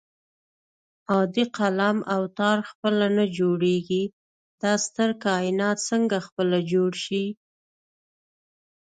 عادي قلم او تار خپله نه جوړېږي دا ستر کائنات څنګه خپله جوړ شي